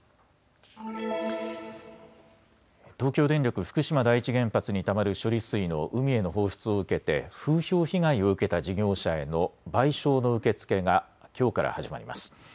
東京電力福島第一原発にたまる処理水の海への放出を受けて風評被害を受けた事業者への賠償の受け付けがきょうから始まります。